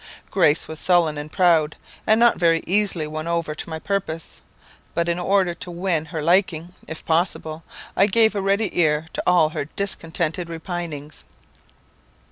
Grace was sullen and proud, and not very easily won over to my purpose; but in order to win her liking, if possible, I gave a ready ear to all her discontented repinings.